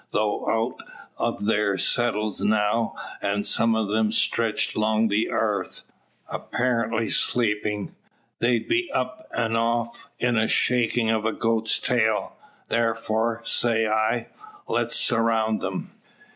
Tho' out o' thar seddles now, an' some o' 'em streetched 'long the airth, apparently sleepin', they'd be up an' off in the shakin' o' a goat's tail. Tharefor, say I, let's surround 'em."